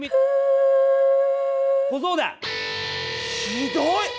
ひどい！